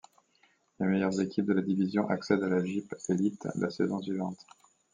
Les meilleures équipes de la division accèdent à la Jeep Elite la saison suivante.